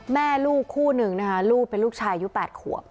แม่ลูกคู่หนึ่งนะคะลูกเป็นลูกชายอายุ๘ขวบ